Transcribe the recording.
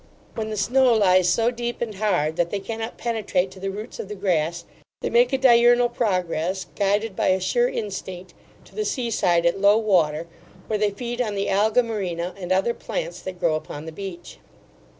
When the snow lies so deep and hard, that they cannot penetrate to the roots of the grass, they make a diurnal progress, guided by a sure instinct, to the seaside at low water, where they feed on the alga marina, and other plants that grow upon the beach.